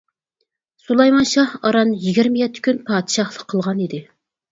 سۇلايمان شاھ ئاران يىگىرمە يەتتە كۈن پادىشاھلىق قىلغان ئىدى.